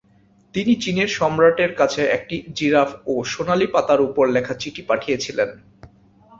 তিনি চীনের সম্রাটের কাছে একটি জিরাফ ও সোনালি পাতার উপর লেখা চিঠি পাঠিয়েছিলেন।